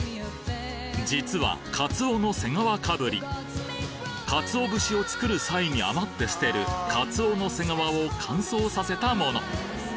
実は、カツオの背皮被り、カツオ節を作る際に余って捨てるカツオの背皮を乾燥させたもの。